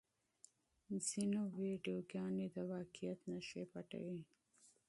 ځینې ویډیوګانې د واقعیت نښې پټوي.